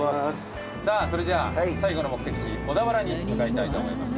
それじゃあ最後の目的地小田原に向かいたいと思います。